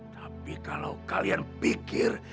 tapi kalau kalian pikir